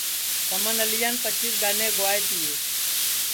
سمن اعلیان پچیس گانیں گُوائے تیے